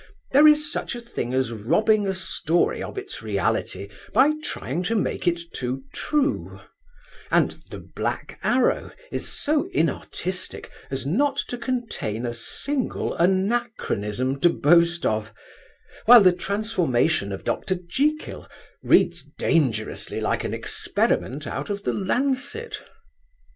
There is such a thing as robbing a story of its reality by trying to make it too true, and The Black Arrow is so inartistic as not to contain a single anachronism to boast of, while the transformation of Dr. Jekyll reads dangerously like an experiment out of the Lancet.